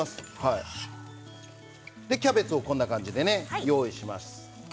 キャベツをこんな感じで用意します。